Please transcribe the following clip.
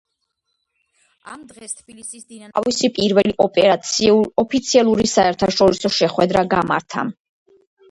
ამ დღეს თბილისის „დინამომ“ თავისი პირველი ოფიციალური საერთაშორისო შეხვედრა გამართა.